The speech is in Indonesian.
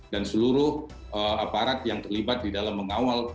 dan seluruh aparat yang terlibat di dalam mengawal